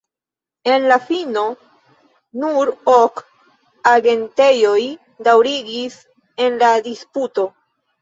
En la fino, nur ok agentejoj daŭrigis en la disputo.